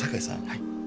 はい。